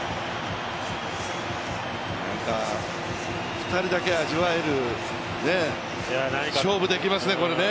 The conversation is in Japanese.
２人だけ味わえる、勝負できますね、これ。